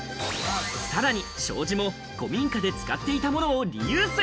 さらに障子も古民家で使っていたものをリユース。